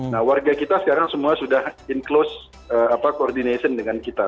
nah warga kita sekarang semua sudah inclosed coordination dengan kita